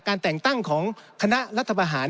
แต่งตั้งของคณะรัฐประหาร